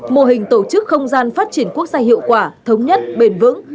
mô hình tổ chức không gian phát triển quốc gia hiệu quả thống nhất bền vững